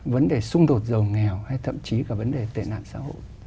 vấn đề xung đột giàu nghèo hay thậm chí cả vấn đề tệ nạn xã hội